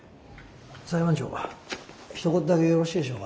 裁判長ひと言だけよろしいでしょうか？